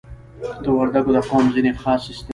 د وردګو د قوم ځینی خاص اصتلاحات